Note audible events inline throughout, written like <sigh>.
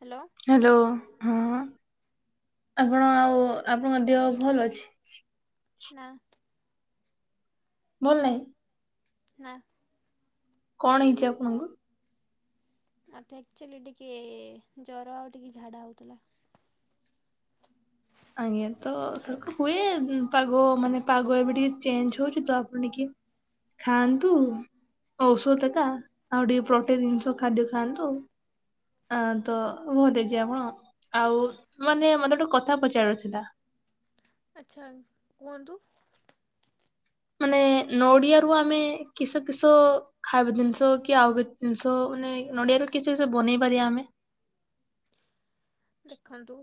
Hello. Hello, ହଁ, ଆପଣ ଆଉ ଆପଣଙ୍କ ଦେହ ଭଲ ଅଛି? ନା। ଭଲ ନାହିଁ? ନା। କଣ ହେଇଛି ଆପଣଙ୍କୁ? ମତେ ଆକ୍ଚୁଆଲି ଟିକେ ଜର ଆଉ ଟିକେ ଝାଡା ହଉଥିଲା। ଆଜ୍ଞା, ତ ହୁଏ ପାଗ ମାନେ ପାଗ ଏବେ ଟିକେ ଚେଞ୍ଜ୍ ହଉଛି ତ ଆପଣ ଟିକେ ଖାଆନ୍ତୁ, ଔଷଧ ଏକା ଆଉ ଟିକେ ପ୍ରୋଟିନ୍ ଜିନିଷ ଖାଦ୍ୟ ଖାଆନ୍ତୁ। ଆଁ ତ ଭଲ ହେଇଯିବେ ଆପଣ, ଆଉ ମାନେ ମତେ ଗୋଟେ କଥା ପଚାରାର ଥିଲା। ଆଚ୍ଛା, କୁହନ୍ତୁ। ମାନେ ନଡିଆରୁ ଆମେ କିସ କିସ ଖାଇବା ଜିନିଷ କି ଆଉ କିଛି ଜିନିଷ ମାନେ ନଡିଆରେ କିସ କିସ ବନେଇ ପାରିବା ଆମେ? ଦେଖନ୍ତୁ,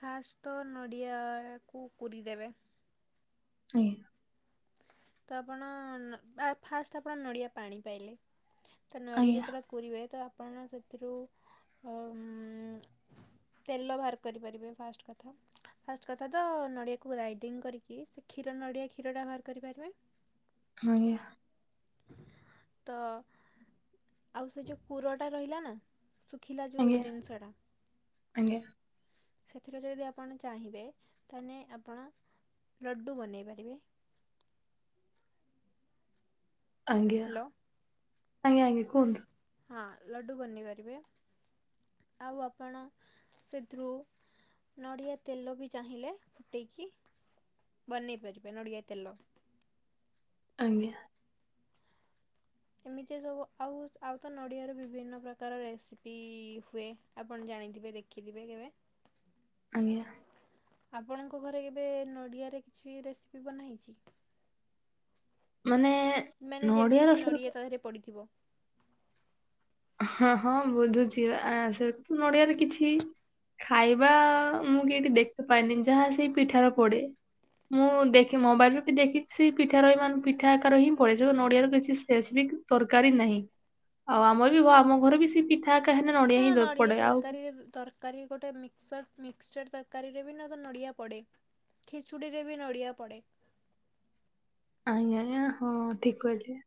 ଫାଷ୍ଟ୍ ତ ନଡ଼ିଆକୁ କୁରି ଦେବେ। ଆଜ୍ଞା। ତ ଆପଣ-ଅ-ଅ ଫାଷ୍ଟ୍ ଆପଣ ନଡ଼ିଆ ପାଣି ପାଇଲେ, ତ ନଡ଼ିଆ ଆଜ୍ଞା ଯେତେବେଳେ କୋରିବେ ତ ଆପଣ ସେଥିରୁ ଅ ଉଁ-ଉଁ-ଉଁ ତେଲ ବାହାର କରିପାରିବେ ଫାଷ୍ଟ୍ କଥା। ଫାଷ୍ଟ୍ କଥା ତ ନଡ଼ିଆକୁ ଗ୍ରାଇଡିଙ୍ଗ୍ କରିକି ସେ କ୍ଷୀର ନଡ଼ିଆ କ୍ଷୀରଟା ବାହାର କରିପାରିବେ। ଆଜ୍ଞା। ତ ଆଉ ସେ ଯୋଉ କୁରଟା ରହିଲା ନା ଶୁଖିଲା ଯୋଉ ଆଜ୍ଞା ଜିନିଷଟା ଆଜ୍ଞା। ସେଥିରେ ଯଦି ଆପଣ ଚାହିଁବେ ତାନେ ଆପଣ ଲଡ଼ୁ ବନେଇ ପାରିବେ। ଆଜ୍ଞା, ହ୍ୟାଲୋ ଆଜ୍ଞା ଆଜ୍ଞା କୁହନ୍ତୁ। ହଁ ଲଡ଼ୁ ବନେଇ ପାରିବେ, ଆଉ ଆପଣ ସେଥିରୁ ନଡିଆ ତେଲ ବି ଚାହିଁଲେ ଫୁଟେଇକି ବନେଇ ପାରିବେ ନଡିଆ ତେଲ। ଆଜ୍ଞା। ଏମିତି ସବୁ ଆଉ, ଆଉ ତ ନଡ଼ିଆରୁ ବିଭିନ୍ନ ପ୍ରକାର ରେସିପି-ଇ-ଇ ହୁଏ। ଆପଣ ଜାଣିଥିବେ ଦେଖିଥିବେ କେବେ? ଆଜ୍ଞା। ଆପଣଙ୍କ ଘରେ କେବେ ନଡ଼ିଆରେ କିଛି ରେସିପି ବନାହେଇଛି? ମାନେ-ଏ-ଏ ମାନେ ଯେମିତିକି ନଡ଼ିଆ ତାଦେହେରେ ପଡ଼ିଥିବ। ହଁ ହଁ, ବୁଝୁଛି ପା ଆ ସେ ନଡିଆରେ କିଛି ଖାଇବା ମୁଁ କେଇଠି ଦେଖତେ ପାଇନି ଯାହା ସେଇ ପିଠାରେ ପଡେ। ମୁଁ ଦେଖି ମୋବାଇଲରେ ବି ଦେଖିଛି ପିଠା ରଇ ମାନେ ପିଠା ଆକାରେ ହିଁ ପଡେ ସେ ନଡ଼ିଆର କିଛି ସ୍ପେସିଫିକ୍ ତରକାରୀ ନାହିଁ, ଆଉ ଆମର ବି ଘ ଆମ ଘରେ ବି ସେ ପିଠ୍ <unintelligible> ହଁ ନଡ଼ିଆ ତରକାରୀ ତରକାରୀ ବି ଗୋଟେ ମି ସର୍ଟ ମିକ୍ସଚର ତରକାରୀରେ ବି ନ ତ ନଡ଼ିଆ ପଡ଼େ, ଖିଚୁଡ଼ିରେ ବି ନଡ଼ିଆ ପଡ଼େ। ଆଜ୍ଞା ଆଜ୍ଞା, ହଁ ଠିକ୍ କହିଲେ।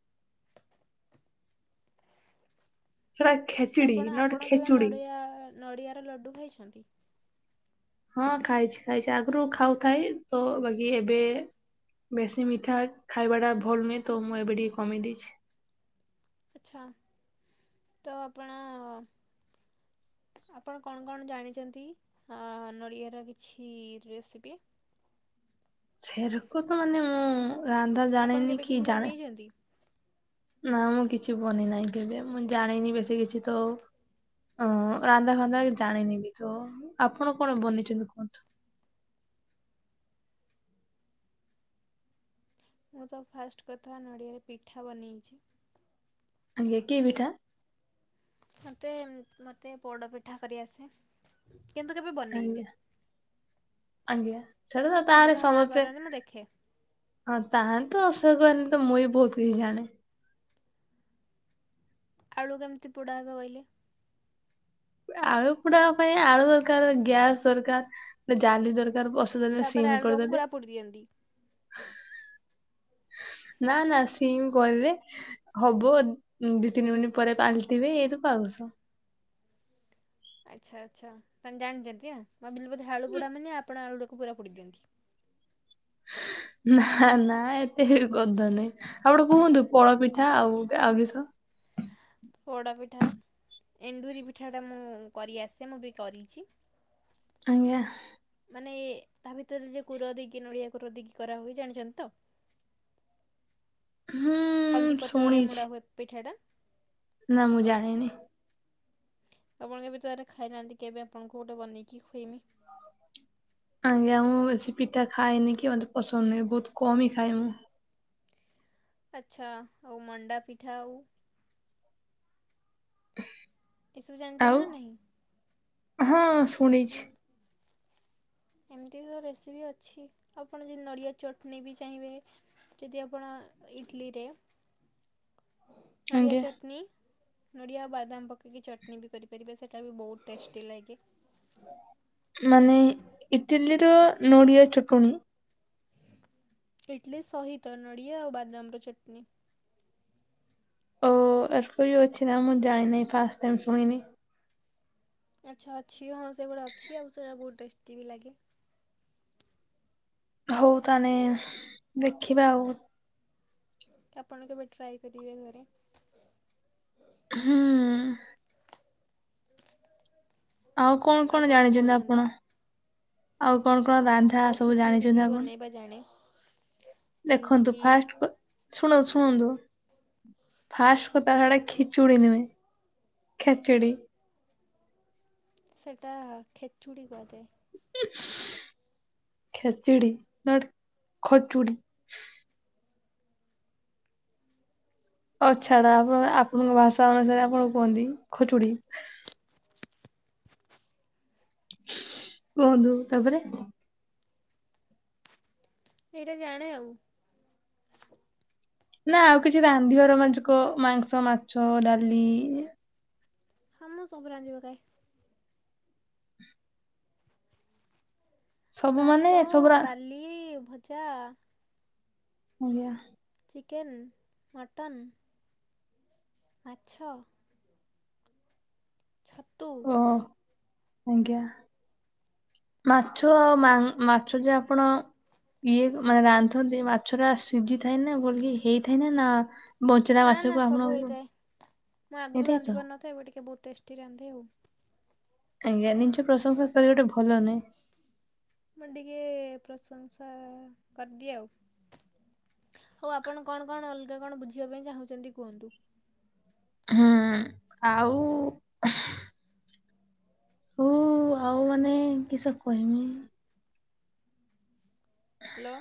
ସେଟା ତ ଖେଚିଡି ଆପଣ, ନଟ ଆପଣ କେବେ ଖେଚୁଡି ନଡ଼ିଆ-ଆ ନଡ଼ିଆର ଲଡ଼ୁ ଖାଇଛନ୍ତି? ହଁ ଖାଇଛି ଖାଇଛି ଆଗରୁ ଖାଉଥାଇ ତ ବାକି ଏବେ ବେଶୀ ମିଠା ଖାଇବାଟା ଭଲ ନୁହେଁ ତ ମୁଁ ଏବେ ଟିକେ କମେଇ ଦେଇଛି। ଆଛା ତ ଆପଣ ଆପଣ କଣ କଣ ଜାଣିଛନ୍ତି ଆଁ ନଡ଼ିଆର କିଛି ରେସିପି। ସେରକୁ ତ ମାନେ ମୁଁ ରାନ୍ଧା ଆପଣ ଜାଣେନି କେବେ କି କିଛି ଜାଣେ। ବନେଇଛନ୍ତି? ନା ମୁଁ କିଛି ବନି ନାହିଁ କେବେ ମୁଁ ଜାଣିନି ବେଶୀ କିଛି ତ ଓ ରାନ୍ଧା ଫାନ୍ଧା ଜାଣିନି ବି ତ ଆପଣ କଣ ବନେଇଛନ୍ତି କୁହନ୍ତୁ। ମୁଁ ତ ଫାଷ୍ଟ କଥା ନଡ଼ିଆରେ ପିଠା ବନେଇଛି। ଆଜ୍ଞା କି ପିଠା? ମୋତେ ମୋତେ ପୋଡ଼ପିଠା କରିଆସେ। କିନ୍ତୁ କେବେ ବ ଆଜ୍ଞା ଆଜ୍ଞା ସେଟା ତ ଖାଲି ତାର ମୋ ମାଆ ସମସ୍ତେ କରନ୍ତି ମୁଁ ଦେଖେ ହଁ ତାହାଲେତ <unintelligible> କରନି ତ ମୁଁ ବି ବହୁତ କିଛି ଜାଣେ। ଆଳୁ କେମିତି ପୋଡ଼ା ହେବ କହିଲେ? ଆଳୁ ପୁଡା ପାଇଁ ଆଳୁ ଦରକାର ଗ୍ୟାସ୍ ଦରକାର ଗୋଟେ ଜାଲି ଦରକାର। ବସେଇଦେଲେ ତାପରେ ସିମ୍ ଆଳୁ ଟାକୁ କରିଦେଲେ ପୁରା ପୋଡ଼ି ଦିଅନ୍ତି। ନା ନା ସିମ୍ କରଲେ। ହବ ଦି ତିନି ମିନିଟ୍ ପରେ ପାଲିଟିବି ଏଇ ତ ପାଉସ। ଆଚ୍ଛା ଆଚ୍ଛା ତାଲେ ଜାଣିଛନ୍ତି ମୁଁ ଭାବିଲି ବୋଧେ ଆଳୁ ପୋଡ଼ା ମାନ ଆପଣ ଆଳୁଟାକୁ ପୁରା ପୋଡ଼ି ଦିଅନ୍ତି। ନା ନା ଏତେ ବି ଗଧନୁହେ। ଆଉ ଗୋଟେ କୁହନ୍ତୁ ପୋଳପିଠା ଆଉ ଆଉ କିସ। ପୋଡ଼ାପିଠା ଏଣ୍ଡୁରି ପିଠାଟା ମୁଁ କରିଆସେ ମୁଁ ବି କରିଚି। ଆଜ୍ଞା ମାନେ ତା ଭିତରେ ଯେ କୂୁର ଦେଇକି ନଡ଼ିଆ କୂର ଦେଇକି କରାହୁଏ ଜାଣିଛନ୍ତି ତ। ହୁଁ ହଳଦୀ ପତ୍ରରେ ଶୁଣିଛି ମୋଡ଼ା ହୁଏ ପିଠାଟା। ନା ମୁଁ ଜାଣିନି। ଆପଣ କେବେ ତାରେ ଖାଇନାହାନ୍ତି କେବେ ଆପଣଙ୍କୁ ଗୋଟେ ବନେଇକି ଖୁଇନି। ଆଜ୍ଞା ମୁଁ ବେଶୀ ପିଠା ଖାଏନି କି ମୋତେ ପସନ୍ଦ ନୁହେଁ। ବହୁତ କମ ହି ଖାଏ ମୁଁ। ଆଛା ଆଉ ମଣ୍ଡା ପିଠା ଆଉ ଏସବୁ ଆଉ ଜାଣିଛନ୍ତି ନା ନାହିଁଁ? ହଁ ଶୁଣିଛି। ଏମିତି ବି ରେସିପି ଅଛି ଆପଣ ଯଦି ନଡ଼ିଆ ଚଟନୀ ବି ଚାହିଁବେ ଯଦି ଆପଣ ଇଟିଲିରେ ନଡ଼ିଆ ଆଜ୍ଞା ଚଟନୀ ନଡ଼ିଆ ଆଉ ବାଦାମ ପକେଇକି ଚଟନୀ ବି କରିପାରିବେ ସେଇଟା ବି ବହୁତ ଟେଷ୍ଟି ଲାଗେ। ମାନେ ଇଟିଲୀର ନଡ଼ିଆ ଚଟଣି। ଇଟଲି ସହିତ ନଡ଼ିଆ ଆଉ ବାଦାମର ଚଟନୀ। ଓ ଆରକୋଇ ବି ଅଛି ନା ମୁଁ ଜାଣିନି ଫାଷ୍ଟ ଟାଇମ୍ ଶୁଣିନି। ଆଚ୍ଛା ଅଛି ହଁ ସେଗୁଡା ଅଛି ଆଉ ସେଟା ବହୁତ ଟେଷ୍ଟି ବି ଲାଗେ। ହଉ ତାନେ ଦେଖିବା ଆଉ ଆପଣ କେବେ ଟ୍ରାଏ କରିବେ ଘରେ। ହୁଁ। ଆଉ କଣ କଣ ଜାଣିଛନ୍ତି ଆପଣ? ଆଉ କଣ କଣ ରାନ୍ଧା ଆଉ ସବୁ ଖିଚୁଡ଼ି ବି ଜାଣିଛନ୍ତି ଆପଣ? ବନେଇବା ଜାଣେ ଦେଖନ୍ତୁ ଯେମିତିକି ଫାଷ୍ଟ ଶୁଣ ଶୁଣନ୍ତୁ। ଫାଷ୍ଟ କଥା ହେଡା ଖିଚୁଡ଼ି ନୁହେଁ ଖେଚେଡି। ସେଇଟା ଖେଚୁଡ଼ି କୁହାଯାଏ। ଖେଚିଡି ନଟ ଖଚୁଡ଼ି। ହଉ ଛାଡ ଆପଣ ଆପଣଙ୍କ ଭାଷା ଅନୁସାରେ ଆପଣ କୁହନ୍ତି ଖଚୁଡି। କୁହନ୍ତୁ ତାପରେ। ଏଇଟା ଜାଣେ ଆଉ। ନା ଆଉ କିଛି ରାନ୍ଧିବ ରୋମାଞ୍ଚିକ ମାଂସ ମାଛ ଡାଲି ହଁ ମୁଁ ସବୁ ରାନ୍ଧି ପକାଏ। ସବୁ ମାନେ ଭାତ ସବୁ ରା ଡାଲି ଏ ଭଜା। ଆଜ୍ଞା। ଚିକେନ୍ ମଟନ୍ ମାଛ। ଛତୁ ଓ ଆଜ୍ଞା। ମାଛ ଅ ମା ମାଛ ଯେ ଆପଣ ଇଏ କ ମାନେ ରାନ୍ଧନ୍ତି ମାଛରା ସିଝି ଥାଏ ନା ଭଲିକ ହେଇଥାଏ ନା ନା ବଞ୍ଚେରା ନା ନା ମାଛକୁ ସବୁ ଆପଣଙ୍କୁ ହୋଇଥାଏ ମୁଁ ଆଗରୁ ହେଇଥାଏ ରାନ୍ଧି ତ ପାରିନଥାଏ ଏବେ ଟିକେ ବହୁତ ଟେଷ୍ଟି ରାନ୍ଧେ ଆଉ। ଆଜ୍ଞା ନିଜ ପ୍ରଶଂସା କରିବାଟା ଭଲ ନୁହେଁ। ମୁଁ ଟିକେ ପ୍ରଶଂସା କରିଦିଏ ଆଉ। ହଉ ଆପଣ କଣ କଣ ଅଲଗା କଣ ବୁଝିବା ପାଇଁ ଚାହୁଁଛନ୍ତି କୁହନ୍ତୁ। ହୁଁ ଆଉ ହଉ ଆଉ ମାନେ କିସ କହିମି। ହାଲୋ।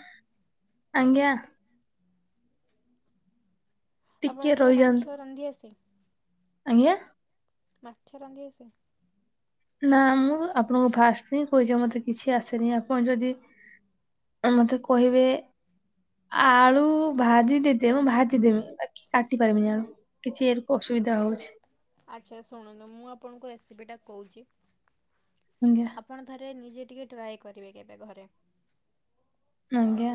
ଆଜ୍ଞା। ଟିକେ ଆପଣଙ୍କୁ ରହିଯାଆନ୍ତୁ ମାଛ ରାନ୍ଧି ଆସେ। ଆଜ୍ଞା। ମାଛ ରାନ୍ଧି ଆସେ। ନା ମୁଁ ଆପଣଙ୍କୁ ଫାଷ୍ଟ ହିଁ କହିଛି ମତେ କିଛି ଆସେନି ଆପଣ ଯଦି ଏ ମତେ କହିବେ ଆଳୁ ଭାଜି ଦେଇଦ ମୁଁ ଭାଜିଦେବି କି କାଟି ପାରିବିନି ଆଳୁ। କିଛି ଏର କୁ ଅସୁବିଧା ହଉଛି। ଆଚ୍ଛା ଶୁଣନ୍ତୁ ମୁଁ ଆପଣଙ୍କୁ ରେସିପିଟା କହୁଛି। ଆଜ୍ଞା। ଆପଣ ଥରେ ନିଜେ ଟିକେ ଟ୍ରାଏ କରିବେ କେବେ ଘରେ। ଆଜ୍ଞା।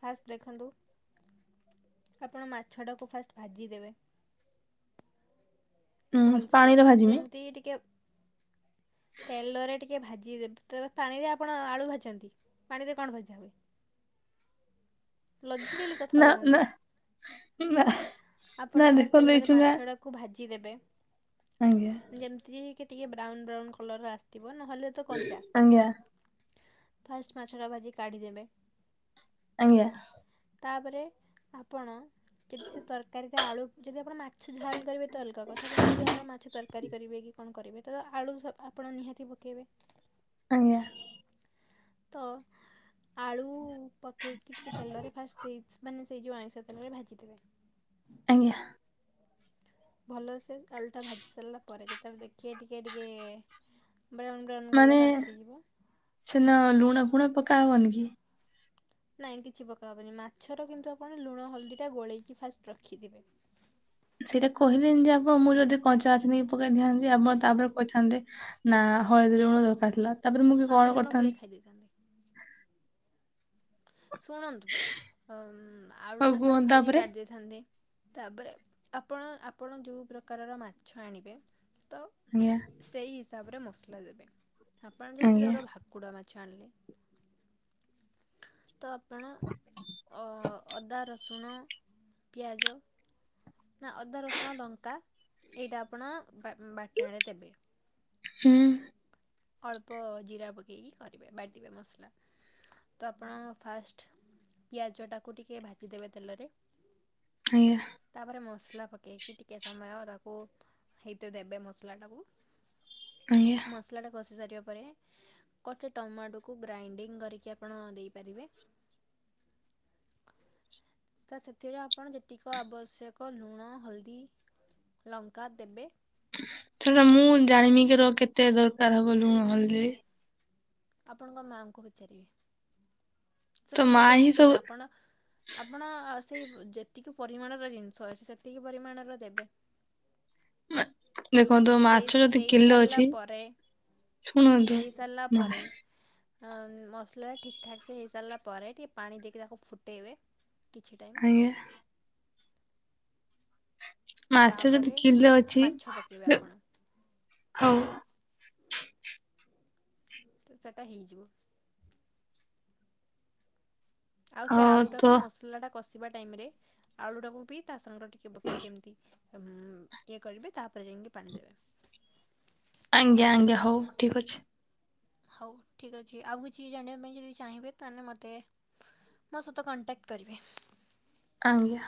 ଫାଷ୍ଟ ଦେଖନ୍ତୁ ଆପଣ ମାଛ ଟାକୁ ଫାଷ୍ଟ ଭାଜି ଦେବେ। ଉଁ <inaudible> ଭଲସେ ପାଣିରେ ଭାଜିମି ଯେମିତି ଟିକେ ତେଲରେ ଟିକେ କେ ଭାଜିଦେବେ ତ ପାଣିରେ ଆପଣ ଆଳୁ ଭାଜନ୍ତି ପାଣିରେ କଣ ଭଜା ହୁଏ। ଲଜିକାଲି କଥା ନା ନା ହୁହନ୍ତୁ। ନା ନା ଆପଣ ଫାଷ୍ଟ ଦେଖନ୍ତୁ ଏଇ ତେଲରେ ଚୁଙ୍ଗା ମାଛଟାକୁ ଭାଜି ଦେବେ। ଆଜ୍ଞା। ଯେମିତି କି ଟିକେ ବ୍ରାଉନ ବ୍ରାଉନ କଲର ଆସିଥିବ ନହେଲେ ତ କଞ୍ଚା। ଆଜ୍ଞା ଫାଷ୍ଟ ମାଛଟା ଭାଜି କାଢ଼ିଦେବେ। ଆଜ୍ଞା। ତାପରେ ଆପଣ କିଛି ତରକାରୀ ଟା ଆଳୁ ଯଦି ଆପଣ ମାଛ ଝାଲ୍ କରିବେ ତ ଅଲଗା କଥା କିନ୍ତୁ ଯଦି ଆପଣ ମାଛ ତରକାରୀ କରିବେ କି କଣ କରିବେ ତ ଆଳୁ ସ ଆପଣ ନିହାତି ପକେଇବେ। ଆଜ୍ଞା। ତ ଆଳୁ ପକେଇକି ଟିକେ ତେଲରେ ଫାଷ୍ଟ ଦେଇ ଚି ମାନେ ସେଇ ଯୋଉ ଆଇଁଷ ତେଳରେ ଭାଜିଦେବେ। ଆଜ୍ଞା। ଭଲସେ ଆଳୁଟା ଭାଜି ସାରିଲା ପରେ ଯେତେବେଳେ ଦେଖିବେ ଟିକେ ଟିକେ ବ୍ରାଉନ୍ ବ୍ରାଉନ୍ ମାନେ କଲର୍ ଆସିଯିବ ସେନା ଲୁଣ ଫୁଣ ପକା ହବନି କି। ନାଇଁ କିଛି ପକା ହବନି ମାଛର କିନ୍ତୁ ଆପଣ ଲୁଣ ହଳଦୀ ଟା ଗୋଳେଇକି ଫାଷ୍ଟ ରଖିଥିବେ। ସେଇଟା କହିଲେନ ଯେ ଆପଣ ମୁଁ ଯଦି କଞ୍ଚା <unintelligible> ପକେଇଥାିଆନ୍ତି ଆପଣ ତାପରେ କହିଥାନ୍ତେ। ନା ହଳଦୀ ଲୁଣ ଦରକାର ଥିଲା ତାପରେ ମୁଁ କି କଣ କରିଥାନ୍ତି। ଖାଇଦଥାନ୍ତି। ଶୁଣନ୍ତୁ ଆଳୁ ହଉ ଟା ଫାଷ୍ଟ କୁହନ୍ତୁ ଭାଜି ତାପରେ କାଢିଦେଇ ଥାନ୍ତେ ତାପରେ ଆପଣ ଆପଣ ଯେଉଁ ପ୍ରକାରର ମାଛ ଆଣିବେ ତ ଆଜ୍ଞା। ସେଇ ହିସାବରେ ମସଲା ଦେବେ। ଆପଣ ଯଦି ଆଜ୍ଞା ଧର ଭାକୁଡ଼ା ମାଛ ଆଣିଲେ। ତ ଆପଣ ଅଦା ରସୁଣ ପିଆଜ ନା ଅଦା ରସୁଣ ଲଙ୍କା ଏଇଟା ଆପଣ ବାଟଣରେ ଦେବେ। ହୁଁ। ଅଳ୍ପ ଜିରା ପକେଇକି କରିବେ ବାଟିବେ ମସଲା। ତ ଆପଣ ଫାଷ୍ଟ ପିଆଜଟାକୁ ଟିକେ ଭାଜିଦେବେ ତେଲରେ ଆଜ୍ଞା। ତାପରେ ମସଲା ପକେଇକି ଟିକେ ସମୟ ତାକୁ ହେଇତେ ଦଡବେ ମସଲା ଟାକୁ। ଆଜ୍ଞା। ମସଲାଟା କଷି ସାରିବା ପରେ କଟା ଟମାଟୋକୁ ଗ୍ରାଇଣ୍ଡିଙ୍ଗ କରିକି ଆପଣ ଦେଇପାରିବେ। ତା ସେଥିରେ ଆପଣ ଯେତିକି ଆବଶ୍ୟକ ଲୁଣ ହଳଦୀ ଲଙ୍କା ଦେବେ। ସେଟା ମୁଁ ଜାଣିବି କିିର କେତେ ଦରକାର ହବ ଲୁହଦି। ଆପଣଙ୍କ ମାଆଙ୍କୁ ପଚାରିବେ। ତ ସେଇଟା ମୁଁ ମା ହିଁ କେମିତି କହିବି ସବୁ ଆପଣ ଆପଣ ସେଇ ଯେତିକି ପରିମାଣର ଜିନିଷ ଅ ସେତିକି ପରିମାଣର ଦେବେ। ମା- ଦେଖନ୍ତୁ ମାଛ ଯଦି ଦେଇ କିଲୋ ସାରିଲା ଅଛି ପରେ ଶୁଣନ୍ତୁ ଦେଇସାରଲା ମା ପରେ ମସଲାଟା ଠିକ୍ ଠାକ୍ ସେ ହେଇସାରିଲା ପରେ ଟିକେ ପାଣି ଦେଇକି ତାକୁ ଫୁଟାଇବେ କିଛି ଟାଇମ୍ <unintelligible> ମାଛ ଯଦି ତାପରେ କିଲେ ଅଛି ମାଛ ପକେଇବେ ଆପଣ <unintelligible> ହଉ ତ ଚାଟା ହେଇଯିବ। ଆଉ ସେ ହଉ ଆଳୁ ତ ଟାକୁ ମସଲା ଟା କଷିବା ଟାଇମ୍ ରେ,, ଆଳୁ ଟାକୁ ବି ତା ସାଙ୍ଗରେ ଟିକ୍- କେ ପକେଇକି କେମିତି ଉଁ ଇଏ କରିବେ ତାପରେ ଯାଇଁକି ପାଣି ଦେବେ। ଆଂଜ୍ଞା ଆଂଜ୍ଞା ହଉ ଠିକ ଅଛି। ହଉ ଠିକ ଅଛି। ଆଉ କିଛି ଜାଣିବା ପାଇଁ ଯଦି ଚାହିଁବେ ତାହେଲେଁ ମୋତେ- ମୋ ସତ କଣ୍ଟାକ୍ଟ୍ କରିବେ। ଆଜ୍ଞା।